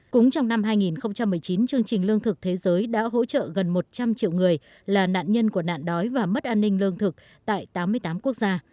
cũng trong năm hai nghìn một mươi chín chương trình lương thực thế giới đã hỗ trợ gần một trăm linh triệu người là nạn nhân của nạn đói và mất an ninh lương thực tại tám mươi tám quốc gia